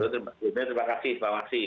terima kasih pak maksi